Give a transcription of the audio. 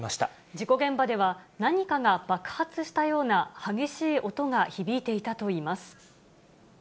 事故現場では、何かが爆発したような激しい音が響いていたといいます。